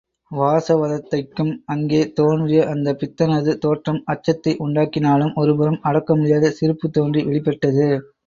வாசவதத்தைக்கும் அங்கே தோன்றிய அந்தப் பித்தனது தோற்றம் அச்சத்தை உண்டாக்கினாலும் ஒருபுறம் அடக்கமுடியாத சிரிப்பு தோன்றி வெளிப்பட்டது.